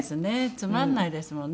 つまらないですもんね。